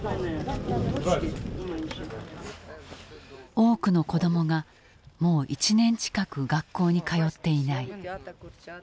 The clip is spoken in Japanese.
多くの子どもがもう１年近く学校に通っていない。